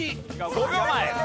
５秒前！